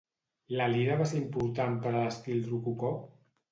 La lira va ser important per a l'estil rococó?